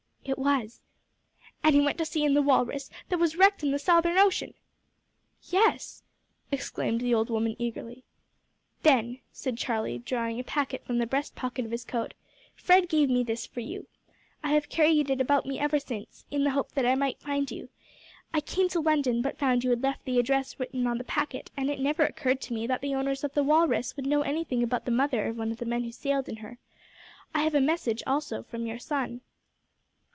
"It was." "And he went to sea in the Walrus, that was wrecked in the Southern Ocean!" "Yes," exclaimed the old woman eagerly. "Then," said Charlie, drawing a packet from the breast pocket of his coat, "Fred gave me this for you. I have carried it about me ever since, in the hope that I might find you. I came to London, but found you had left the address written on the packet, and it never occurred to me that the owners of the Walrus would know anything about the mother of one of the men who sailed in her. I have a message also from your son."